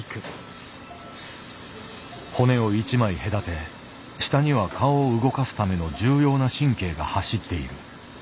骨を１枚隔て下には顔を動かすための重要な神経が走っている。